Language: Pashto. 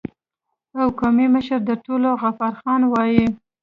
او قومي مشر د ټولو غفار خان وای